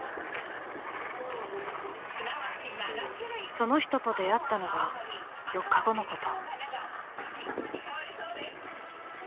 ［その人と出会ったのは４日後のこと］